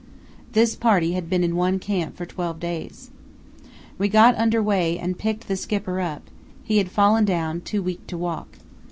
This party had been in one camp for twelve days. We got under way and picked the Skipper up; he had fallen down, too weak to walk.